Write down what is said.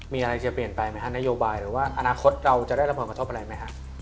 มีอะไรจะเปลี่ยนไปไหมฮะนโยบายหรือว่าอนาคตเราจะได้รับผลกระทบอะไรไหมฮะ